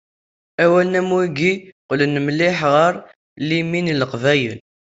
Awalen am wigi, qqnen mliḥ ɣer limin n Leqbayel.